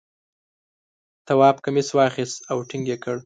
تواب کمیس واخیست او ټینګ یې کړ.